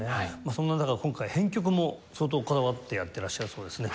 そんな中今回編曲も相当こだわってやってらっしゃるそうですね。